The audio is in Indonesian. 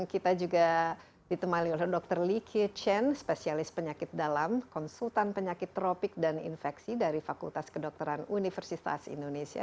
kita juga ditemani oleh dr likie chen spesialis penyakit dalam konsultan penyakit tropik dan infeksi dari fakultas kedokteran universitas indonesia